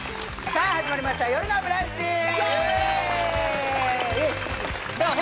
さあ始まりました「よるのブランチ」さあ